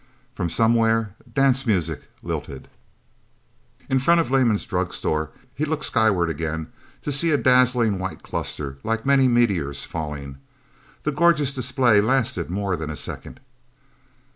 From somewhere, dance music lilted. In front of Lehman's Drug Store he looked skyward again, to see a dazzling white cluster, like many meteors, falling. The gorgeous display lasted more than a second.